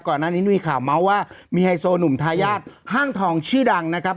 ก่อนหน้านี้มีข่าวเมาส์ว่ามีไฮโซหนุ่มทายาทห้างทองชื่อดังนะครับ